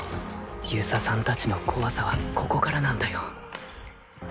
遊佐さん達の怖さはここからなんだよ。